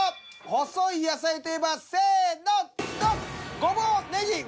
細い野菜といえばせのドン！